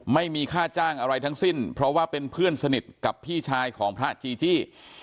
ไม่มีค่าจ้างอะไรทั้งสิ้นเพราะว่าเป็นเพื่อนสนิทกับพี่ชายของพระจีจี้